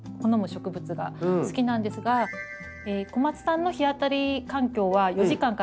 植物が好きなんですが小夏さんの日当たり環境は４時間から６時間。